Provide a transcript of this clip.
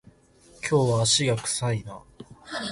今日は足が臭いな